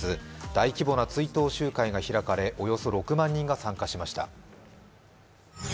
大規模な追悼集会が開かれ、およそ６万人が参加しました。